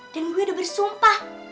dan gue udah bersumpah